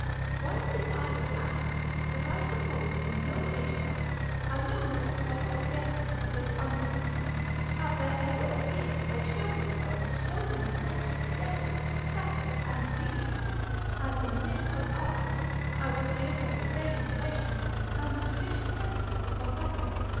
One thing I will add, that I suppose that in no age past, I know not by what destiny of this unhappy time, have there ever appeared or showed themselves so many lecherous devils, satyrs, and genii, as in this of ours, as appears by the daily narrations, and judicial sentences upon record.